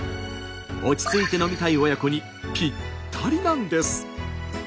落ち着いて飲みたい親子にぴったりなんです。